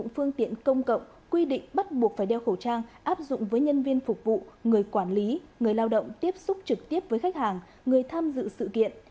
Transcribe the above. phương tiện công cộng quy định bắt buộc phải đeo khẩu trang áp dụng với nhân viên phục vụ người quản lý người lao động tiếp xúc trực tiếp với khách hàng người tham dự sự kiện